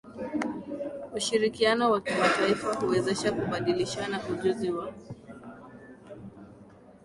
Ushirikiano wa kimataifa huwezesha kubadilishana ujuzi wa